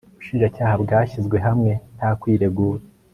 ubushinjacyaha bwashyizwe hamwe, nta kwiregura